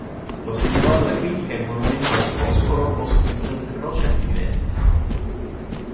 Lo segnalò alla critica il monumento al Foscolo posto in Santa Croce a Firenze.